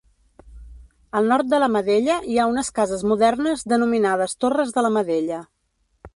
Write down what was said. Al nord de la Madella hi ha unes cases modernes denominades Torres de la Madella.